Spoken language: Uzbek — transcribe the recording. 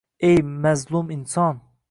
Ey, mazlum inson!